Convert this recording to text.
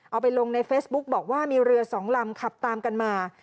เอาไปลงในเฟซบุ๊กบอกว่ามีเรือสองลำขับตามกันมา